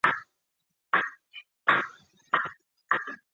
他曾在巴勒斯坦种族屠杀行动中担任副指挥。